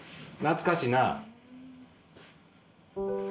懐かしいな。